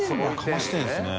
かませてるんですね。